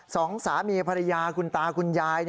สองสามีภรรยาคุณตาคุณยาย